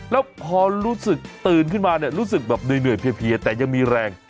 แล้วพอรู้สึกตื่นขึ้นมาเนี่ยรู้สึกแบบเหนื่อยเพียแต่ยังมีแรง